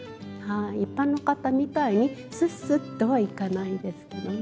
一般の方みたいにスッスッとはいかないですけどね。